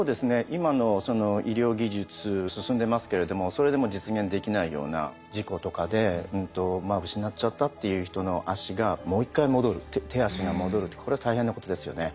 今のその医療技術進んでますけれどもそれでも実現できないような事故とかで失っちゃったっていう人の足がもう一回戻る手足が戻るってこれは大変なことですよね。